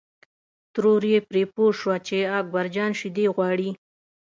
ترور یې پرې پوه شوه چې اکبر جان شیدې غواړي.